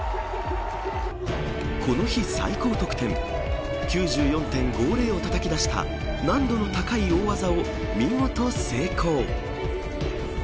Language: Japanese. この日最高得点９４．５０をたたき出した難度の高い大技を見事成功。